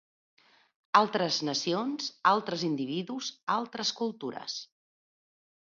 Altres nacions, altres individus, altres cultures.